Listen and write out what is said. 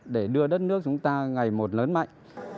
để đưa đất nước chúng ta ngày một lớn mạnh